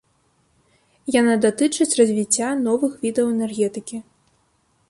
Яна датычыць развіцця новых відаў энергетыкі.